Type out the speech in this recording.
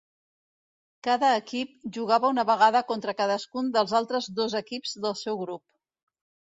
Cada equip jugava una vegada contra cadascun dels altres dos equips del seu grup.